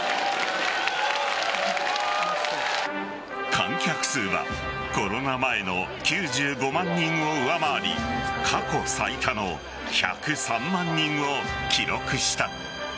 観客数はコロナ前の９５万人を上回り過去最多の１０３万人を記録した。